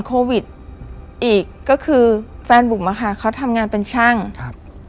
โควิดอีกก็คือแฟนบุ๋มอะค่ะเขาทำงานเป็นช่างครับ